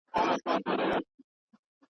که یې لمبو دي ځالګۍ سوځلي.